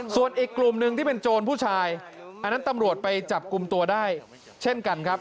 ส่วนอีกกลุ่มหนึ่งที่เป็นโจรผู้ชายอันนั้นตำรวจไปจับกลุ่มตัวได้เช่นกันครับ